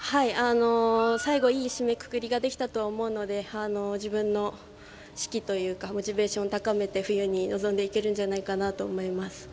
最後、いい締めくくりができたと思うので自分の士気というかモチベーション高めて、冬に臨んでいけるんじゃないかなと思います。